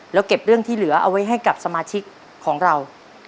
แล้วเก็บเรื่องที่เหลือเอาไว้ให้กับสมาชิกของเรา